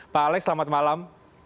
pak alex selamat malam